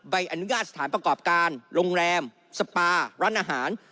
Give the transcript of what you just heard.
ใบอนุญาตสถานประกอบการโรงแรมสปาร้านอาหาร